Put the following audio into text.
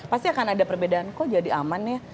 pasti akan ada perbedaan kok jadi aman ya